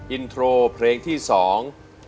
อินโทรเพลงที่สอง